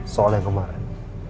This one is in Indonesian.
soal yang kemarin